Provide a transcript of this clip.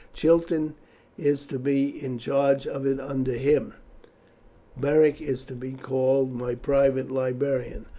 Chiton is to be in charge of it under him. Beric is to be called my private librarian.